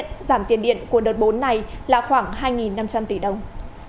giảm tiền điện của đợt bốn này là khoảng hai năm trăm linh tỷ đồng